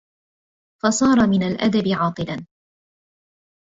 فَصَارَ مِنْ الْأَدَبِ عَاطِلًا